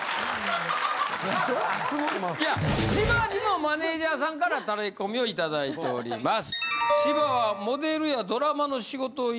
いや芝にもマネジャーさんからタレコミをいただいております。